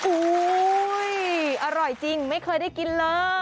อร่อยจริงไม่เคยได้กินเลย